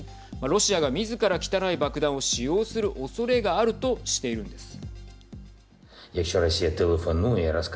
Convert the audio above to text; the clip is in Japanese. ロシアがみずから汚い爆弾を使用するおそれがあるとしているんです。